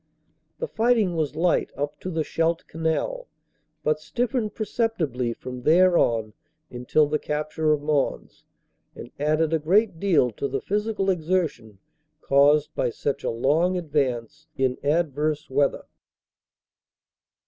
"The fighting was light up to the Scheldt Canal, but stiffened perceptibly from there on until the capture of Mons, and added a great deal to the physical exertion caused by such a long advance in adverse weather.